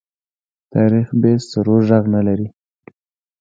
تاریخ بې سرو ږغ نه لري.